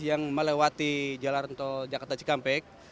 yang melewati jalan tol jakarta cikampek